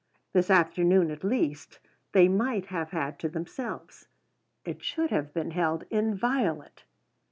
This afternoon, at least, they might have had to themselves. It should have been held inviolate.